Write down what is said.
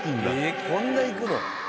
えこんないくの？